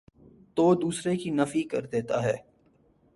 تودوسرے کی نفی کردیتا ہے۔